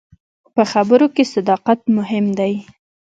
په خبرو کې صداقت مهم دی.